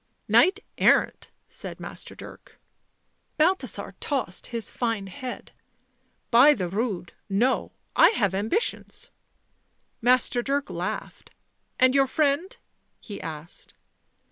" Knight errant," said Master Dirk. Balthasar tossed his fine head. " By the Rood, no. I have ambitions." Master Dirk laughed. " And your friend?" he asked.